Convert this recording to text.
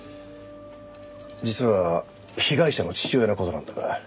実は被害者の父親の事なんだが。